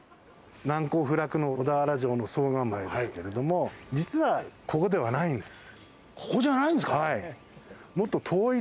難攻不落の小田原城の総構ですけれども実は、ここではないんです。